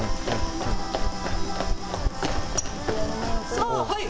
さあはい。